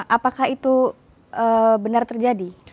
apakah itu benar terjadi